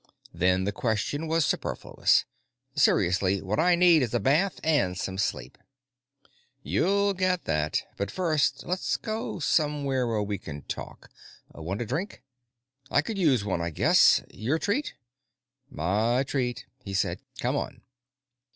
"Then the question was superfluous. Seriously, what I need is a bath and some sleep." "You'll get that, but first let's go somewhere where we can talk. Want a drink?" "I could use one, I guess. Your treat?" "My treat," he said. "Come on."